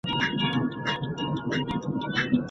که د کورونو ترمنځ فاصله مراعت سي، نو ګاونډیان نه ناارامه کیږي.